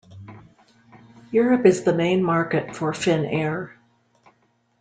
Europe is the main market for Finnair.